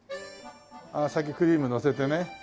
ああ先クリームのせてね。